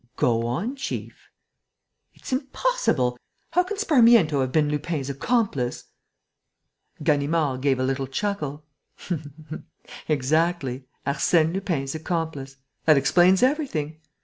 "Go on, chief." "It's impossible! How can Sparmiento have been Lupin's accomplice?" Ganimard gave a little chuckle. "Exactly, Arsène Lupin's accomplice!... That explains everything.